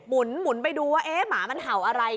หมุนไปดูว่าหมาเห่าอะไร